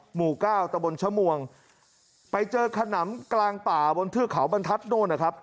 หมู่เก้าตะบนชมวงไปเจอขนำกลางป่าบนเทือกเขาบรรทัศน์โน่นนะครับ